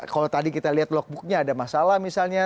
kalau tadi kita lihat logbooknya ada masalah misalnya